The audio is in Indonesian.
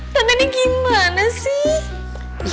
tante ini gimana sih